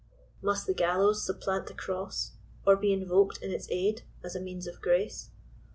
Must the gallows supplant the cross— or be in voked in its aid — as a n.eans of grace